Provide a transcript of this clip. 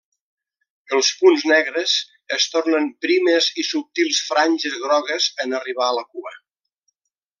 Els punts negres es tornen primes i subtils franges grogues en arribar a la cua.